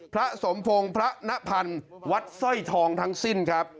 พระสมพงศ์พระนพันธ์วัดสร้อยทองทั้งสิ้นครับ